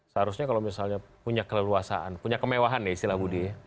seharusnya kalau misalnya punya keleluasaan punya kemewahan ya istilah budi ya